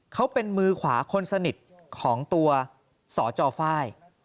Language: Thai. เขาเป็นมือขวาคนสนิทของตัวสจฝ้าย